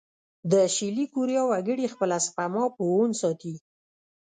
د شلي کوریا وګړي خپله سپما په وون ساتي.